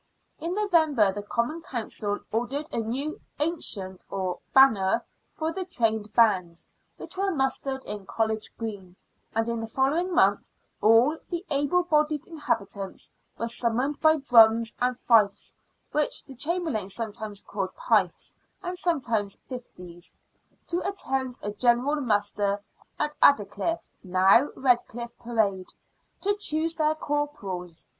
In November the Common Council ordered a new " ancient," or banner, for the trained bands, which were mustered in College Green, and in the following month all the able bodied inhabitants were summoned by drums and fifes (which the Chamberlain sometimes called phifes, and sometimes fifties) to attend a general muster at Addercliff, now Redcliff Parade, " to choose their corporals."